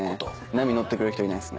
波乗ってくれる人いないですね